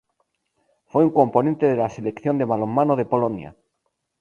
Fue un componente de la Selección de balonmano de Polonia.